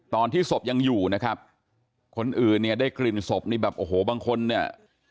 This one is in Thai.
ศพยังอยู่นะครับคนอื่นเนี่ยได้กลิ่นศพนี่แบบโอ้โหบางคนเนี่ย